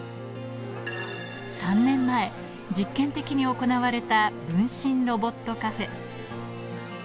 ３年前、実験的に行われた分身ロボットカフェ。